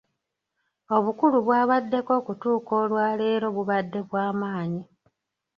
Obukulu bw'abaddeko okutuuka olwa leero bubadde bwamanyi.